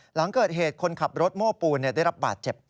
หลังเกิดเหตุคนขับรถโม้ปูนได้รับบาดเจ็บ